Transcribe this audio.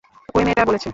ঐ মেয়েটা বলেছে।